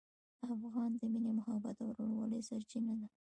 افغان د مینې، محبت او ورورولۍ سرچینه ده.